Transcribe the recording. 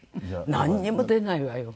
なんにも出ないわよ。